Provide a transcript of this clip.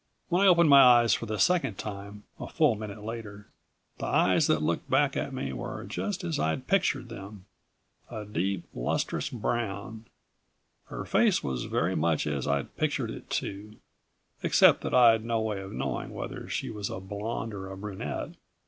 When I opened my eyes for the second time, a full minute later, the eyes that looked back at me were just as I'd pictured them. A deep, lustrous brown. Her face was very much as I'd pictured it too, except that I'd no way of knowing whether she was a blonde or a brunette.